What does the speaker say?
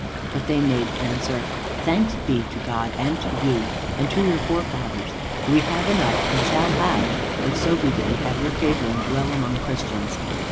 But they made answer, "Thanks be to God and to you, and to your forefathers, we have enough and shall have, if so be that we have your favor and dwell among Christians.